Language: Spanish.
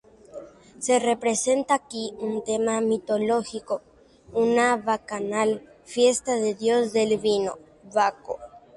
Se representa aquí un tema mitológico, una bacanal, fiesta del dios del vino, Baco.